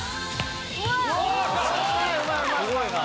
すごいな。